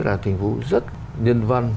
là thành phố rất nhân văn